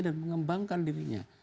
dan mengembangkan dirinya